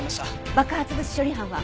爆発物処理班は？